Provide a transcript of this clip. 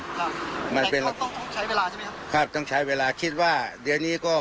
ค่ะมันเป็นเราต้องต้องใช้เวลาใช่ไหมครับครับต้องใช้เวลาคิดว่าเดี๋ยวนี้ก็